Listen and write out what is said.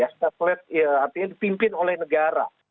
satelit artinya dipimpin oleh negara